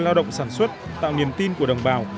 lao động sản xuất tạo niềm tin của đồng bào